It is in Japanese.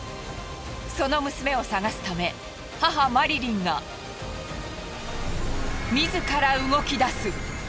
その娘を捜すため母マリリンが自ら動き出す。